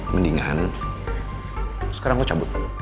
mendingan sekarang lo cabut